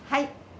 はい。